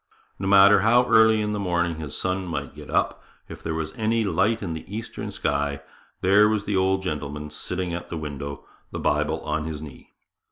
No matter how early in the morning his son might get up, if there was any light in the eastern sky, there was the old gentleman sitting at the window, the Bible on his knee.